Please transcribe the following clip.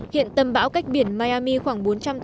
hiện tầm bão cách biển miami khoảng